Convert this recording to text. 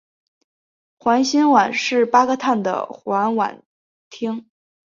环辛烷是八个碳的环烷烃。